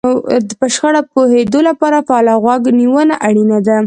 په شخړه پوهېدو لپاره فعاله غوږ نيونه اړينه ده.